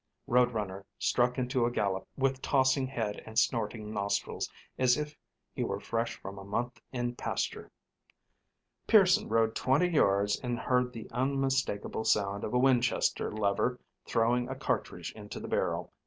Road Runner struck into a gallop, with tossing head and snorting nostrils, as if he were fresh from a month in pasture. Pearson rode twenty yards and heard the unmistakable sound of a Winchester lever throwing a cartridge into the barrel.